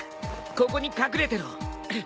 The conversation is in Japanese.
ここに隠れてろ。